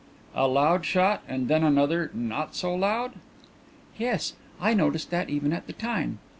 "A loud shot and then another not so loud?" "Yes; I noticed that even at the time.